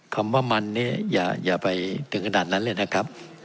คำว่ามันเนี่ยอย่าไปถึงขนาดนั้นเลยนะครับ